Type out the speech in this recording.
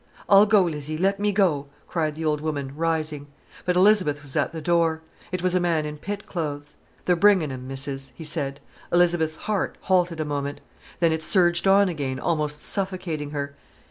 "I'll go, Lizzie, let me go," cried the old woman, rising. But Elizabeth was at the door. It was a man in pit clothes. "They're bringin' 'im, Missis," he said. Elizabeth's heart halted a moment. Then it surged on again, almost suffocating her.